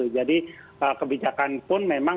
jadi kebijakan pun memang